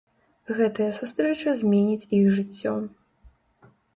Гэтая сустрэча зменіць іх жыццё.